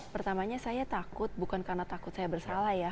pertamanya saya takut bukan karena takut saya bersalah ya